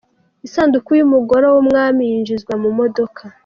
Isanduku y’umugoro w’Umwami yinjizwa mu modoka